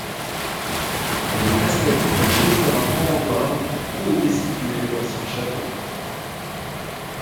Le Castell, perché sur un promontoire, où était situé l'ancien château.